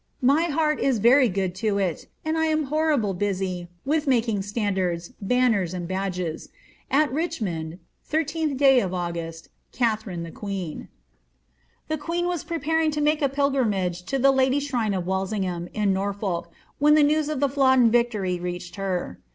My heart is very good to it, and I am horrible busy with making standards, banners, and badges. At Richmond, 13 day of August, Katiabiita Tia Qwsjia.'* The queen was preparing to make a pilgrimage to the Lady shrine of Walsingham, in Norfolk, when tlie news of the Flodden victory reached her.